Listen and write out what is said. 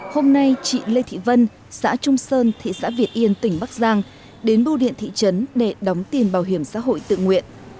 hôm nay chị lê thị vân xã trung sơn thị xã việt yên tỉnh bắc giang đến bưu điện thị trấn để đóng tiền bảo hiểm xã hội tự nguyện